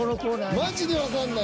マジでわかんない。